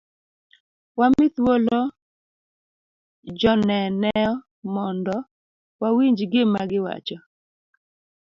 Wami thuolo joneneo mondo wawinj gima giwacho.